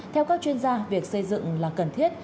theo các chuyên gia việc xây dựng là cần thiết